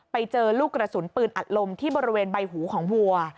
ไปเจอลูกกระสุนปืนอัดลมที่บริเวณใบหูของวัว